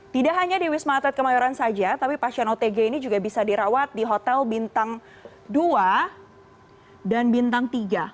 tidak hanya di wisma atlet kemayoran saja tapi pasien otg ini juga bisa dirawat di hotel bintang dua dan bintang tiga